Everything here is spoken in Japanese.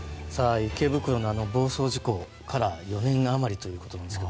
池袋の暴走事故から４年余りということなんですが。